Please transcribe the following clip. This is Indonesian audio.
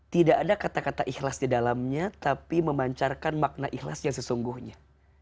tidak ada kata kata ikhlas di dalamnya tapi memancarkan makna ikhlas yang sesungguhnya